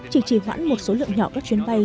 chỉ chỉ hoãn một số lượng nhỏ các chuyến bay